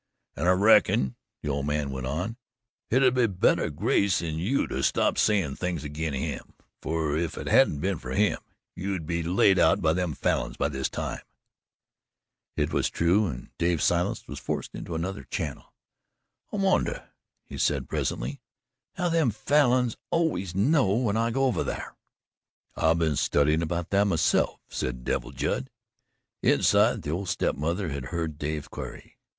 "An' I reckon," the old man went on, "hit 'ud be better grace in you to stop sayin' things agin' him; fer if it hadn't been fer him, you'd be laid out by them Falins by this time." It was true, and Dave, silenced, was forced into another channel. "I wonder," he said presently, "how them Falins always know when I go over thar." "I've been studyin' about that myself," said Devil Judd. Inside, the old step mother had heard Dave's query.